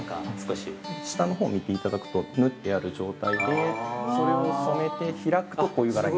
◆下のほうを見ていただくと、縫ってある状態でそれを染めて開くと、こういう柄に。